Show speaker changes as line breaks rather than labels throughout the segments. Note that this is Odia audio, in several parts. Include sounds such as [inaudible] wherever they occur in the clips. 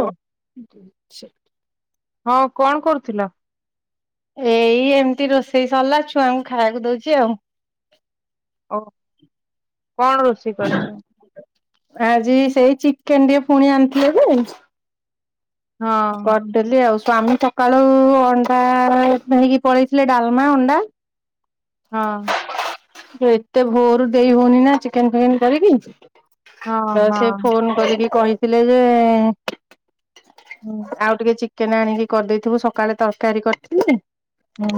ଓ ହଁ କଣ କରୁଥିଲ?
ଏଇ ଏମିତି ରୋଷେଇ ସରିଲା ଛୁଆଙ୍କୁ ଖାଇବାକୁ ଦଉଛି ଆଉ
ଓ କଣ ରୋଷେଇ କରୁଛ?
ଆଜି ସେଇ ଚିକେନ ଟିକେ ପୁଣି ଆଣିଥିଲେ ଯେ
ହଁ
କରିଦେଲି ଆଉ ସ୍ୱାମୀ ସକାଳୁ ଅଣ୍ଡା ନଇକି ପଳେଇଥିଲେ ଡାଲମା ଅଣ୍ଡା
ହଁ।
ଏତେ ଭୋରୁ ଦେଇ ହଉନି ନା ଚିକେନ ଫିକେନ କରିକି
ହଁ
ତ ସେ
ହଁ
ଫୋନ କରିକି କହିଥିଲେ ଯେ
ହୁଁ।
ଆଉ ଟିକେ ଚିକେନ ଆଣିକି କରିଦେଇଥିବୁ ସକାଳେ ତରକାରୀ କରିଥିଲି
ହୁଁ।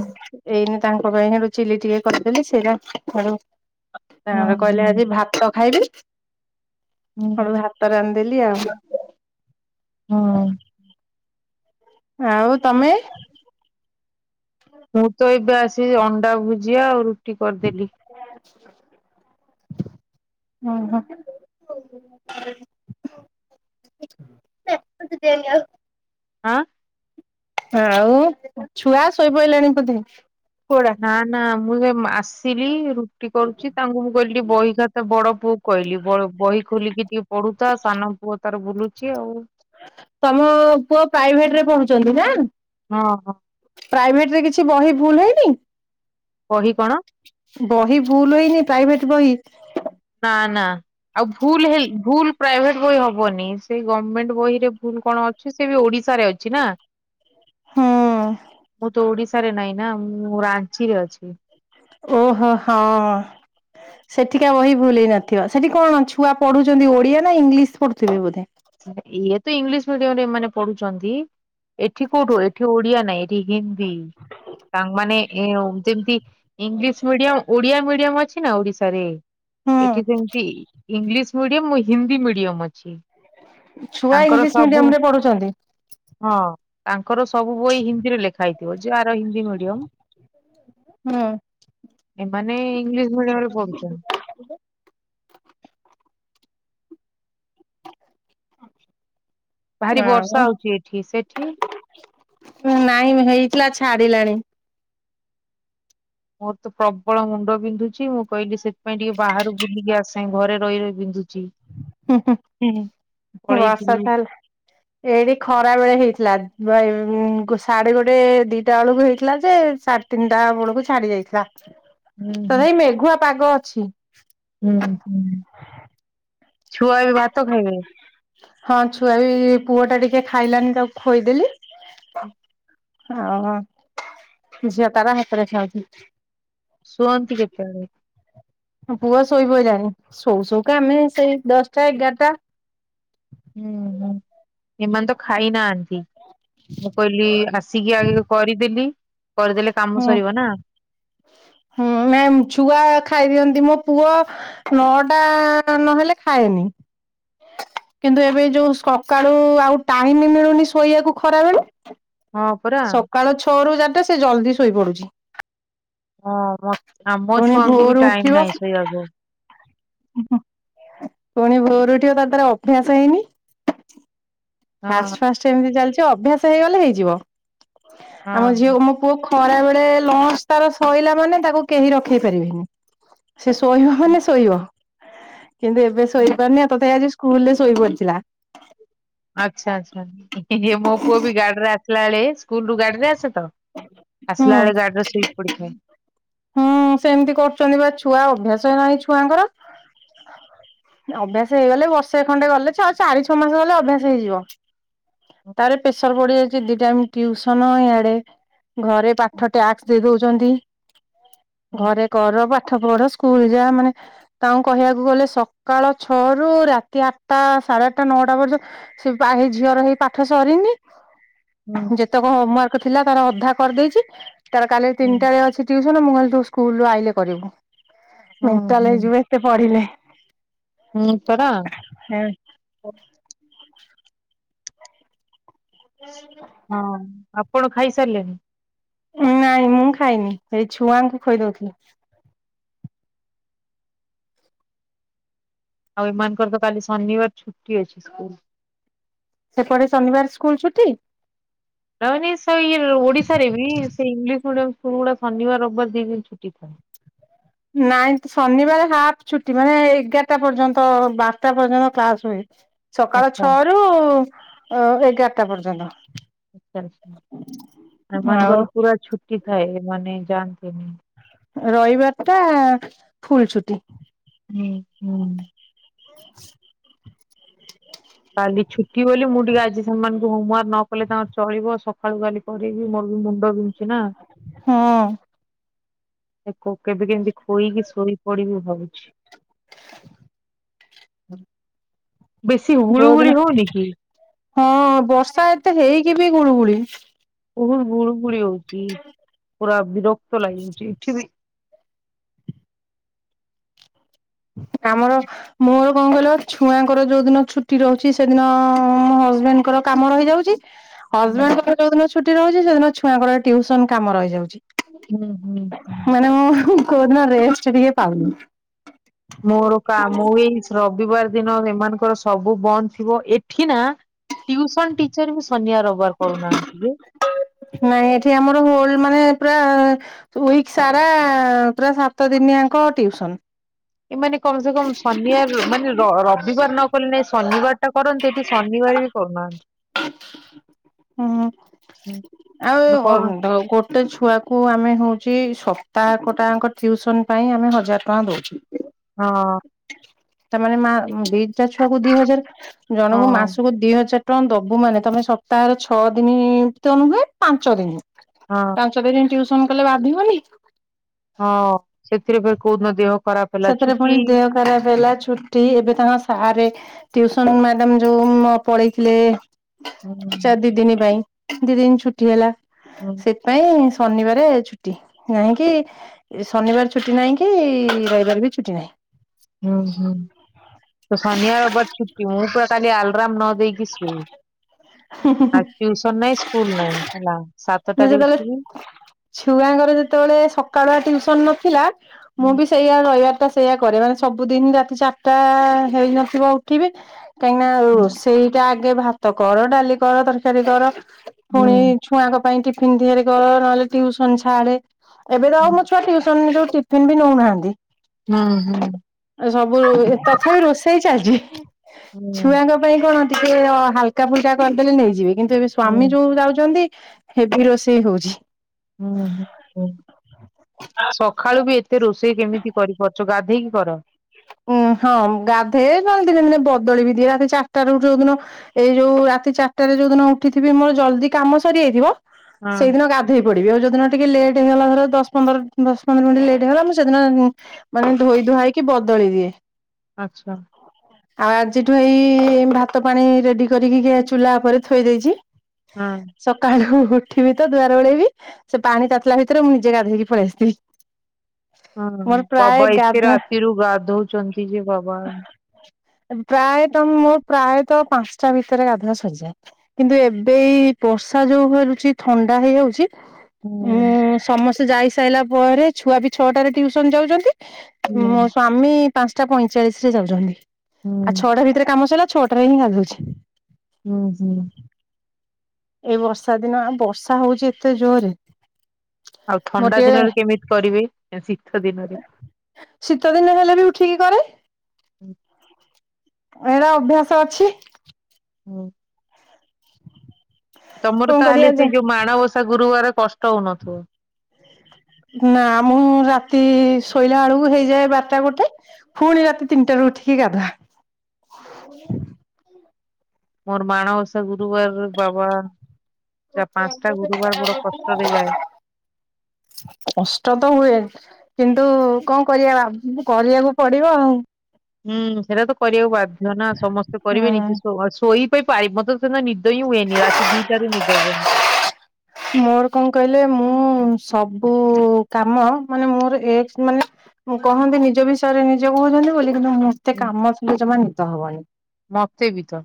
ଏଇନି ତାଙ୍କ ପାଇଁ ସେଠୁ ଚିଲି ଟିକେ କରିଥିଲି ସେଇଟା ଆଡୁ
ହୁଁ
ତାଙ୍କର କହିଲେ
ହୁଁ
ଆଜି ଭାତ ଖାଇବି ଆ
ହୁଁ
ଭାତ ରାନ୍ଧିଦେଲି ଆଉ।
ହୁଁ
ଆଉ ତମେ?
ମୁଁ ତ ଏବେ ଆସି ଅଣ୍ଡା ଭୁଜିଆ ଆଉ ରୁଟି କରିଦେଲି।
[unintelligible] ହଁ ହଁ। [unintelligible]
ହାଁ।
ଆଉ ଛୁଆ ଶୋଇପଡ଼ିଲେଣି ବୋଧେ କୋଉଟା?
ନା ନା ମୁଁ ସେ ଆସିଲି ରୁଟି କରୁଛି ତାଙ୍କୁ ମୁଁ କହିଲି ବହି ଖାତା ବଡ ପୁଅକୁ କହିଲି ବହି ଖୋଲିକି ଟିକେ ପଢୁଥା ସାନ ପୁଅ ତାର ବୁଲୁଛି ଆଉ।
ତମ ପୁଅ ପ୍ରାଇଭେଟ ରେ ପଢ଼ୁଛନ୍ତି ନା?
ହଁ ହଁ।
ପ୍ରାଇଭେଟରେ କିଛି ବହି ଭୁଲ ହେଇନି?
ବହି କଣ?
ବହି ଭୁଲ ହେଇନି ପ୍ରାଇଭେଟ ବହି?
ନା ନା। ଆଉ ଭୁଲ୍ ଭୁଲ ପ୍ରାଇଭେଟ ବହି ହବନି ସେ ଗମେଣ୍ଟ ବହିରେ ଭୁଲ କଣ ସେ ବି ଓଡିଶାରେ ଅଛି ନା?
ହଁ
ମୁଁ ତ ଓଡିଶାରେ ନାହିଁ ନା ମୁଁ ରାଞ୍ଚିରେ ଅଛି।
ଓହୋ ହଁ। ସେଠିକା ବହି ଭୁଲହେଇନଥିବ ସେଠି କଣ ଛୁଆ ପଢ଼ୁଛନ୍ତି ଓଡିଆ ନା ଇଂଲିଶ ପଢୁଥିବେ ବୋଧେ?
ଇଏ ତ ଇଂଲିଶ ମିଡିୟମରେ ଏମାନେ ପଢୁଛନ୍ତି। ଏଠି କୋଉଠୁ ଏଠି ଓଡିଆ ନାଇଁ ଏଠି ହିନ୍ଦୀ ସାଙ୍ଗମାନେ ଏ ଯେମିତି ଇଂଲିଶ ମିଡିୟମ ଓଡିଆ ମିଡିୟମ ଅଛି ନା ଓଡିଶାରେ
ହୁଁ
ଏଠି ଯେମିତି ଇଂଲିଶ ମିଡ଼ିୟମ୍ ହିନ୍ଦୀ ମିଡ଼ିୟମ୍ ଅଛି।
ଛୁଆ
ତାଙ୍କର
ଇଂଲିଶ
ସବୁ,
ମିଡିୟମ ରେ ପଢୁଛନ୍ତି
ହଁ ତାଙ୍କର ସବୁ ବହି ହିନ୍ଦୀରେ ଲେଖା ହେଇ ଥିବ ଯାର ହିନ୍ଦୀ ମିଡିୟମ୍
ହୁଁ
ଏମାନେ ଇଂଲିଶ ମିଡିୟମ୍ ରେ ପଢୁଛନ୍ତି। ଭାରି ବର୍ଷା
ଆଉ
ହଉଛି ଏଠି, ସେଠି?
ନାଇଁ ହେଇଥିଲା ଛାଡିଲାଣି।
ମୋର ତ ପ୍ରବଳ ମୁଣ୍ଡ ବିନ୍ଧୁଛି, ମୁଁ କହିଲି ସେଥିପାଇଁ ଟିକେ ବାହାରୁ ବୁଲିକି ଆସେ ଘରେ ରହି ରହି ବିନ୍ଧୁଛି।
ହୁଁ, ହୁଁ, ବସ
ପଳେଇଥିଲି
ତାହେଲେ। ଏଇଠି ଖରା ବେଳେ ହେଇଥିଲା ବାଇ ଉଁ, ସାଢ଼େ ଗୋଟେ ଦିଇଟା ବେଳକୁ ହେଇଥିଲା ଯେ ସା ତିନିଟା ବେଳକୁ ଛାଡି ଯାଇଥିଲା।
ହୁଁ ହୁଁ
ତଥାପି ମେଘୁଆ ପାଗ ଅଛି।
ହୁଁ, ହୁଁ ଛୁଆ ଏବେ ଭାତ ଖାଇବେ?
ହଁ ଛୁଆ ବି ପୁଅ ଟା ଟିକେ ଖାଇଲାନି ତାକୁ ଖୋଇଦେଲି। ଅଁ, ହଁ ଝିଅ ତାର ହାତରେ ଖାଉଛି।
ଶୁଅନ୍ତି କେତେବେଳେ?
ହଁ ପୁଅ ଶୋଇପଇଲାଣି ସୋଉ ସୋଉକା ଆମେ ସେଇ ଦଶଟା ଏଗାରଟା।
ଉଁ, ହୁଁ ଏମାନେ ତ ଖାଇ ନାହାନ୍ତି, ମୁଁ କଇଲି ଆସ ସିକି ଆଗେ କରିଦେଲି, କରିଦେଲେ କାମ
ହୁଁ
ସରିବ ନା?
ହୁଁ ନାଇଁ ଛୁଆ ଖାଇଦିଅନ୍ତି ମୋ ପୁଅ ନଅ ଟା ନହେଲେ ଖାଏନି। କିନ୍ତୁ ଏବେ ଯୋଉ ସକାଳୁ ଆଉ ଟାଇମ୍ ମିଳୁନି ଶୋଇବାକୁ ଖରା ବେଳେ।
ହଁ ପରା
ସକାଳ ଛଅ ରୁ ଜାନଥ ସେ ଜଲଦି ଶୋଇ ପଡୁଚି।
ହଁ ମ, ଆମ
ପୁଣି
ଛୁଆଙ୍କୁ ବି
ଭୋରୁ
ଟାଇମ୍ ନାହିଁ ଶୋଇବାକୁ।
ହୁଁ, ହୁଁ ପୁଣି ଭୋରୁ ଉଠିବ ତାର ତାର ଅଭ୍ୟାସ ହେଇନି।
ହଁ
ଫାଷ୍ଟ ଫାଷ୍ଟ ଏମିତି ଚାଲିଛି ଅଭ୍ୟାସ ହେଇଗଲେ ହେଇଯିବ। ଆମ
ହଁ
ଝିଅକୁ ମୁଁ ପୁଅ ଖରା ବେଳେ ଲଞ୍ଚ ତାର ସଇଲା ମାନେ ତାକୁ କେହି ରଖେଇପାରିବେନି। ସେ ଶୋଇବ ମାନେ ଶୋଇବ କିନ୍ତୁ ଏବେ
ହଁ।
ଶୋଇପାରୁନି ଆଉ ତଥାପି ଆଜି ସ୍କୁଲ୍ ରେ ଶୋଇପଡ଼ିଥିଲା।
ଆଚ୍ଛା ଆଚ୍ଛା ହେଁ ହେ ମୋ ପୁଅ ବି ଗାଡ଼ିରେ ଆସିଲା ବେଳେ ସ୍କୁଲ୍ ରୁ ଗାଡ଼ିରେ ଆସୁ ତ
ହୁଁ
ଆସିଲା ବେଳେ ଗାଡିର ଶୋଇ ପଡ଼ିଥାଏ।
ହୁଁ, ସେମିତି କରୁଚନ୍ତି ବା ଛୁଆ ଅଭ୍ୟାସ ନାହିଁ ଛୁଆଙ୍କର। ଅଭ୍ୟାସ ହେଇଗଲେ ବର୍ଷେ ଖଣ୍ଡେ ଗଲେ ଛଅ ଚାରି ଛଅ ମାସ ଗଲେ ଅଭ୍ୟାସ ହେଇଯିବ। ତାର ପେସର ପଡ଼ିଯାଉଚି ଦି ଟାଇମ୍ ଟିଉସନ୍ ଇଆଡେ। ଘରେ
ହୁଁ
ପାଠ ଟ୍ୟାକ୍ସ ଦେଇ ଦଉଚନ୍ତି।
ହୁଁ।
ଘରେ କର ପାଠ ପଢ ସ୍କୁଲ୍ ଯା ମାନେ ତାଙ୍କୁ କହିବାକୁ ଗଲେ ସକାଳ ଛଅ ରୁ ରାତି ଆଟା ସାଢେ ଆଟା ନଅଟା ପର୍ଯ୍ୟ ସେ ପା- ହେଇ ଝିଅର ହେଇ ପାଠ ସରିନି।
ହୁଁ
ଯେତେକ ହୋମୱାର୍କ ଥିଲା ତାର ଅଧା କରିଦେଇଛି। ତାର କାଲି ତିନିଟାରେ ଅଛି ଟିଉସନ ମୁଁ କଇଲି ତୁ ସ୍କୁଲ୍ ରୁ ଆଇଲେ କରିବୁ।
ହୁଁ
ମେଣ୍ଟାଲ୍
ହୁଁ
ହେଇଯିବେ ଏତେ ପଢ଼ିଲେ।
ହୁଁ ପରା
[inaudible]
ହଁ ଆପଣ ଖାଇସାରଲେଣି?
ନାଇଁ ମୁଁ ଖାଇନି ଏଇ ଛୁଆଙ୍କୁ ଖୋଇଦଉଥିଲି।
ଆଉ ଏମାନଙ୍କର ତ କାଲି ଶନିବାର ଛୁଟି ଅଛି ସ୍କୁଲ୍।
ସେପଟେ ଶନିବାର ସ୍କୁଲ୍ ଛୁଟି?
ରହେନି ସେଇ ଓଡିଶାରେ ବି ସେ ଇଂଲିଶ ମିଡିୟମ୍ ସ୍କୁଲ୍ ଗୁଡା ଶନିବାର ରବିବାର ଦି ଦିନ ଛୁଟି ଥାଏ।
ନାଇ ଶନିବାର ହାଫ୍ ଛୁଟି ମାନେ ଏଗାରଟା ପର୍ଯ୍ୟନ୍ତ ବାରଟା ପର୍ଯ୍ୟନ୍ତ କ୍ଲାସ୍ ହୁଏ। ସକାଳ
ଆଚ୍ଛା
ଛଅ ରୁ ଏଗାରଟା ପର୍ଯ୍ୟନ୍ତ।
ଆଛା
ଆଉ
ଏମାନଙ୍କର ପୁରା ଛୁଟି ଥାଏ ଏମାନେ ଯାନ୍ତିନି।
ରଇବାରଟା ଫୁଲ୍ ଛୁଟି।
ହୁଁ ହୁଁ।
[inaudible]
କାଲି ଛୁଟି ବୋଲି ମୁଁ ଟିକେ ଆଜି ସେମାନଙ୍କୁ ହୋମୱାର୍କ ନ କଲେ ତାଙ୍କର ଚଳିବ ସ ସଖାଳୁ କାଲି କରିବି ମୋ ବି ମୁଣ୍ଡ ବିନ୍ଧୁଚି ନା।
ହଁ
ଆକୁ କେବେ କେମିତି ଖୋଇକି ଶୋଇପଡ଼ିବି ଭାବୁଚି।
ହୁଁ।
ବେଶୀ ଗୁଳୁଗୁଳି ହୋଉନି କି?
ହଁ ବର୍ଷା ଏତେ ହେଇକି ବି ଗୁଳୁଗୁଳି।
ବୋହୁତ ଗୁଳୁ ଗୁଳି ହୋଉଚି ପୁରା ବିରକ୍ତ ଲାଗିଉଚି ଏଠି ବି
ଆମର ମୋର କଣ କହିଲ ଛୁଆଙ୍କର ଯୋଉ ଦିନ ଛୁଟି ରହୁଛି ସେଦିନ ମୋ ହଜବେଣ୍ଡଙ୍କର କାମ ରହିଯାଉଛି।
ହୁଁ
ହଜବେଣ୍ଡଙ୍କର ଯୋଉ ଦିନ ଛୁଟି ରହୁଛି ସେଦିନ ଛୁଆଙ୍କର ଟିୁସନ କାମ ରହିଯାଉଚି।
ହୁଁ ହୁଁ
ମାନେ ମୁ କୌଦିନ ରେଷ୍ଟ ଟିଗେ ପାଉନି।
ମୋରକାା ମୁଁ ଏଇ ଶ୍ର ରବିବାର ଦିନ ଏମାନଙ୍କର ସବୁ ବନ୍ଦ ଥିବ ଏଠି ନା ଟୁସନ ଟି ପଚାରିବୁ ସନିବାର ରବିବାର କରୁନାହାନ୍ତି ଯେ।
ନାଇଁ ଏଠି ଆମର ହୋଲ୍ ମାନେ ପୁରା ୱିକ୍ ସାରା ପୁରା ସାତ ଦିନି ଜାଙ୍କ ଟିଉସନ୍।
ଏମାନେେ କମସେ କମ ସନି ବାର ରବାର ମାନେ ରବିବାର ନ କଲେ ନାଇଁ ଶନିବାର ଟା କରନ୍ତି ଏଠି ଶନିବାରେ ବି କରୁନାହାନ୍ତି।
ହୁଁ ଆଉ
ନ
ଉଁ
କରୁ
ଗୋଟେ ଗୋଟେ ଛୁଆକୁ ଆମେ ହୋଉଚି ସପ୍ତାହକ ଟାଙ୍କ ଟ୍ୟୁସନ ପାଇଁ ଆମେ ହଜାର ଟଙ୍କା ଦୋଉଚୁ।
ହଁ।
ତାମାନେ ମା ଦିଇଟା ଛୁଆକୁ ଦିଇ ହଜାର ଜଣକୁ
ହଁ
ମାସକୁ ଦିଇ ହଜାର ଟଙ୍କା ଦବୁ। ସବୁ ମାନେ ତମେ ସପ୍ତାହର ଛଅ ଦିନିତ ନୁହେଁ ପାଞ୍ଚ ଦିନି।
ହଁ।
ପାଞ୍ଚ ଦିନି ଟ୍ୟୁସନ କଲେ ବାଧିବନି।
ହଁ ସେଥିରେ ବି କୋହୁଦିନ ଦେହ ଖରାପ। ହେଲା
ସେଥିରେ
ଛୁଟି
ପୁଣି ଦେହ ଖରାପ ହେଲା ଛୁ ଟି ଏବେ ତାଙ୍କ ସାରେ ଟିୟୁସନ୍ ମ୍ୟାଡାମ ଯୋଉ ପଳେଇଥିଲେ
ହୁଁ
ଚାରି ଦିଇ ଦିନି ପାଇଁ ଦିଇ ଦିନି ଛୁଟି ହେଲା।
ହୁଁ।
ସେଥିପାଇଁ ଶନିବାର ଛୁଟି ନୁହିଁକି ଶନିବାର ଛୁଟି ନାହିଁକି ରଇ ବିରେକି ଚୁଟି ନାହିଁ।
ହୁଁ ହୁଁ। ତ ଶନିବାର ରବବାର ଛୁଟି ମୁଁ ପୁରା କାଲି ଆଲରାମ ନ ଦେଇକି ଶୁଏ। ଆଜି ଟିୟୁସନ୍ ନାହିଁ ସ୍କୁଲ ନାହିଁ ହେଲା।
ମୁଁ
ସାତଟାରେ
ଯେତେବେଳେ
ଉଠିବି
ଛୁଆଙ୍କର ଯେତେବେଳେ ସକାଳୁଆ ଟିୟୁସନ୍ ନଥିଲା ମୁଁ
ହୁଁ
ବି ସେଇଆ ରହିବାର ଟା ସେଇୟା କରେ ମାନେ ସବୁଦିନ ରାତି ଚାରିଟା ହେଇନଥିବ ଉଠିବି। କାହିଁକି ନା
ହୁଁ
ରୋଷେଇଟା ଆଗେ ଭାତ କର ଡାଲି କର ତରକାରୀ କର ପୁଣି
ହୁଁ
ଛୁଆଙ୍କ ପାଇଁ ଟିଫିିନ ତିଆରି କର ନହେଲେ ଟିୟୁସନ୍ ଛାଡେ ଏବେ ତ ଆଉ ମୋ ଛୁଆ ଟିୟୁସନ୍ ଯୋଉ ଟି ତୁ ଉଡ଼ି ନଉ ନାହାନ୍ତି।
ହୁଁ ହୁଁ।
ଆଉ ସବୁ ଏ ତଥାପି ରୋଷେଇ ଚାଲଚି
ହୁଁ ହୁଁ
ଛୁଆଙ୍କ ପାଇଁ କଣ ଟିକେ ହାଲକା ଫୁଲକା କରିଦେଲେ ନେଇଯିବେ କିନ୍ତୁ ଏବେ
ହୁଁ
ସ୍ଵାମୀ ଯୋଉ ଯାଉଚନ୍ତି ହେଭି ରୋଷେଇ ହୋଉଛି।
ହୁଁ ହୁଁ ଉଁ ସଖାଳୁ ବି ଏତେ ରୋଷେଇ କେମିତି କରିପାରୁଚ ଗାଧେଇକି କର?
ଉଁ ହଁ ଗାଧେ ନହେଲେ ଦିନେ ଦିନେ ବଦଳି ବି ଦିଏ ରାତି ଚାରିଟାରୁ ଯୋଉ ଦିନ ଏଇ ଯୋଉ ରାତି ଚାରିଟାରେ ଯୋଉ ଦିନ ଉଠିଥିବି ମୋର ଜଲଦି କାମ ସରି ଆଇଥିବ
ହଁ
ସେଇଦିନ ଗା ଧେଇ ପଡ଼ିବି ଆଉ ଯୋଉ ଦିନ ଟିକେ ଲେଟ୍ ହେଇଗଲା ଧର ଦଶ ପନ୍ଦର ଦଶ ପନ୍ଦର ମିଣ୍ଟି ଲେଟ୍ ହେଇଗଲା ମୁଁ ସେଦିନ ଉଁ ମାନେ ଧୋଇ ଧୁଆ ହେଇକି ବଦଳି ଦିଏ।
ଆଚ୍ଛା।
ହ ହ ଆଉ ଆଜିଠୁ ଏଇ ଭାତ ପାଣି ରେଡ଼ି କରିକି ଗ୍ୟା ଚୁଲା ଓପରେ ଥୋଇ ଦେଇଚି।
ହୁଁ।
ସକାଳୁ ଉଠିବି ତ ଦୁଆର ଓଳେଇବି। ସେ ପାଣି ତାତିଲା ଭିତରେ ମୁଁ ନିଜେ ଗାଧେଇକି ପଳିଆସଥିବି। ମୋର ପ୍ରାୟ ଗାଧା
ଇରୁ ଗାଧଉଚନ୍ତି ଯେ ବାବା!
ପ୍ରାୟ ତମେ ମୋ ପ୍ରାୟତଃ ପାଁଶଟା ଭିତରେ ଗାଧୁଆ ସରିଯାଏ। କିନ୍ତୁ ଏବେ ଏଇ ବର୍ଷା ଯୋଉ ହେରୁଚି ଥଣ୍ଡା ହେଇଯାଉଚି।
ହୁଁ
ଉଁ ସମସ୍ତେ ଯାଇସାଇଲା ପରେ ଛୁଆ ବି ଛଅଟାରେ ଟିଉସନ୍ ଯାଉଚନ୍ତି।
ହୁଁ
ମୋ ସ୍ଵାମୀ ପାଁଶଟା ପଇଁଚାଳିଶରେ ଯାଉଚନ୍ତି ଆ
ହୁଁ
ଛଅଟା ଭିତରେ କାମ ସଇଲା। ଛଅଟାରେ ହିଁ ଗାଧୋଉଛି।
ଉଁ ହୁଁ।
ଏଇ ବର୍ଷା ଦିନ ଆଉ ବର୍ଷା ହଉଚି ଏତେ ଜୋରେ।
ଆଉ ଥଣ୍ଡା ଦିନରେ କେମିତି କରିବି ଏ ଶୀତ ଦିନରେ?
ଶୀତ ଦିନ ହେଲେ ବି ଉଠିକି କରେ।
ହୁଁ
ଏରା ଅଭ୍ୟାସ ଅଛି।
ହୁଁ। ତମର
କଣ
ତାହେଲେ
କରିବା ଯା
ସେ ଯୋଉ ମାଣବସା ଗୁରୁବାର କଷ୍ଟ ହଉନଥୁବ।
ନାଁ ମୁଁ ରାତି ଶୋଇଲା ଅଳୁକୁ ହେଇଯାଏ ବାରଟା ଗୋଟେ। ଫୁଣି ରାତି ତିନିଟାରୁ ଉଠିକି ଗାଧୁଆ।
ମୋର ମାଣବସା ଗୁରୁବାର ବାବା! ଯା ପାଁଶଟା ଗୁରୁବାର ବଡ଼ କଷ୍ଟରେ ଯାଏ।
ହ କଷ୍ଟ ତ ହୁଏ କିନ୍ତୁ କଁ କରିବା ବା କରିବାକୁ ପଡ଼ିବ ଆଉ।
ହୁଁ ସେଟା ତ କରିବାକୁ ବାଧ୍ୟ ନାଁ ସମସ୍ତେ କରିବେ ନିଜେ
ହୁଁ
ଶୁଅ ଶୋଇ ହୋଇ ପାରି ମତେ ସେଦିନ ନିଦ ହଁ ହୁଏନି ରାତି ଦିଟାରୁ ନିଦ ହବନି।
ମୋର କଁ କହିଲେ ମୁଁ ସବୁ କାମ ମାନେ ମୋର ଏକ୍ସ ମାନେ ମୁଁ କହନ୍ତି ନିଜ ବିଷୟରେ ନିଜେ କୋହୁଚନ୍ତି ବୋଲି କିନ୍ତୁ ମତେ
ହୁଁ।
କାମ ଥିଲେ ଜମା ନିିଦ ହବନି।
ମତେ ବି ତ।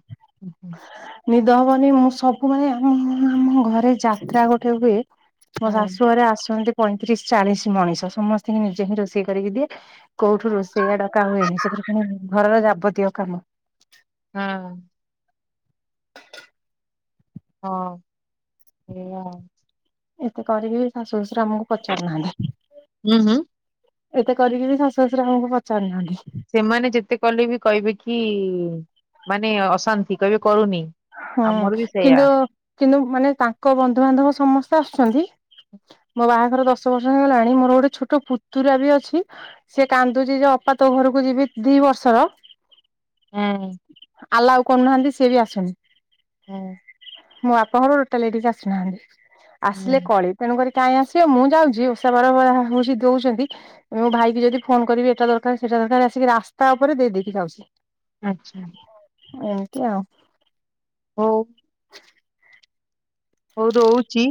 ନିଦ ହବନି ମୁଁ ସବୁ ମାନେ ଆମ ଆମ ଘରେ ଯାତ୍ରା ଗୋଟେ ହୁଏ। ମୋ ଶାଶୁ
ହଁ
ଘରେ ଆସନ୍ତି। ପଇଁତିରିଶ ଚାଳିଶ ମଣିଷ ସମସ୍ତଙ୍କୁ ନିଜେ ହିଁ ରୋଷେଇ କରିକି ଦିଏ କୋଉଠୁ ରୋଷେ ସେଇଆ ଡକାା ହୁଏନି ସେଥିରୁ ପୁଣି ଘରର ଯାବତୀୟ କାମ।
ହଁ।
[inaudible]
ହଁ ସେଇଆ।
ଏତେ କରିକି ବି ଶାଶୁ ଶ୍ୱଶୁର ଆମକୁ ପଚାରୁନାହାନ୍ତି।
ହୁଁ ହୁଁ।
ଏତେ କରିକି ବି ଶାଶୁ ଶଶୁର ଆମକୁ ପଚାରୁନାହାନ୍ତି।
ସେମାନେ ଯେତେ କଲେ ବି କହିବେ କି ମାନେ ଅଶାନ୍ତି କହିବେ କରୁନି।
ହଁ
ଆମର ବି ସେଇଆ।
କିନ୍ତୁ କିନ୍ତୁ ମାନେ ତାଙ୍କ ବନ୍ଧୁବାନ୍ଧବ ସମସ୍ତେ ଆସୁଛନ୍ତି। ମୋ ବାହାଘର ଦଶ ବର୍ଷ ହେଇଗଲାଣି ମୋର ଗୋଟେ ଛୋଟ ପୁତୁରା ବି ଅଛି। ସିଏ କାନ୍ଦୁଛି ଯେ ଅପା ତୋ ଘରକୁ ଯିବି ଦି ବର୍ଷର
ହେଁ।
ଆଲାଉ କରୁନାହାନ୍ତି ସିଏ ବି ଆସୁନି।
ହୁଁ।
ମୋ ବାପଘର ଟୋଟାଲ ଏଠିକ ଆସୁନାହାନ୍ତି
ହୁଁ।
ଆସିଲେ କଳିି। ତେଣୁକରି କାଇଁ ଆସିବେ ମୁଁ ଯାଉଛି ଓଷା ବାର ବ ଯା ହଉଛି ଦଉଛନ୍ତି। ଏ ମୋ ଭାଇକି ଯଦି ଫୋନ କରିବି ଏଟା ଦରକାର ସେଟା ଦରକାର ଆସିକି ରାସ୍ତା ଉପରେ ଦେଇଦେକି ଯାଉଚି।
ଆଚ୍ଛା।
ଏମିତିି ଆଉ।
ହୋଉ। ହୋଉ ରୋଉଚି।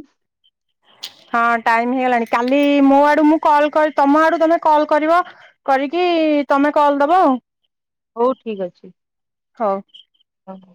ହଁ ଟାଇମ ହେଇଗଲାଣି କାଲି ମୋ ଆଡୁ ମୁଁ କଲ୍ କରି ତମ ଆଡୁ ତମେ କଲ୍ କରିବ। କରିକି ତମେ କଲ୍ ଦବ ଆଉ।
ହଉ ଠିକ୍ ଅଛି।
ହଉ।
ହଁ।